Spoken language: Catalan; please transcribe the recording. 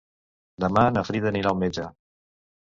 Demà na Frida anirà al metge.